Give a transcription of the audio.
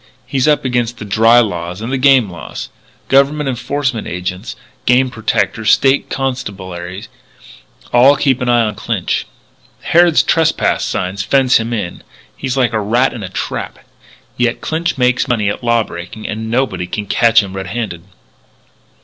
He's up against the dry laws and the game laws. Government enforcement agents, game protectors, State Constabulary, all keep an eye on Clinch. Harrod's trespass signs fence him in. He's like a rat in a trap. Yet Clinch makes money at law breaking and nobody can catch him red handed.